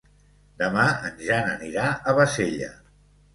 Demà en Jan anirà a Bassella.